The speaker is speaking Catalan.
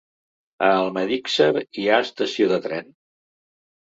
A Almedíxer hi ha estació de tren?